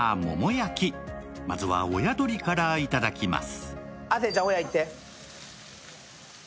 焼きまずは親鶏からいただきます。